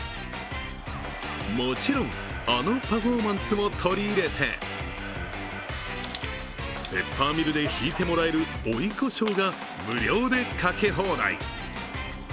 もちろん、あのパフォーマンスも取り入れてペッパーミルでひいてもらえる追いこしょうが無料でかけ放題。